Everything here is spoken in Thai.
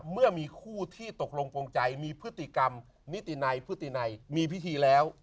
เมื่อมีคู่ที่ตกลงโปรงใจมีพฤติกรรมนิตินัยพฤตินัยมีพิธีแล้ว